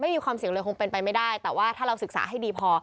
มีความเสี่ยงเลยคงเป็นไปไม่ได้แต่ว่าถ้าเราศึกษาให้ดีพอ